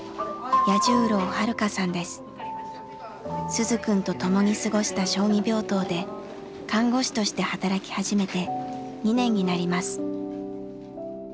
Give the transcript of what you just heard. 鈴くんと共に過ごした小児病棟で看護師として働き始めて２年になります。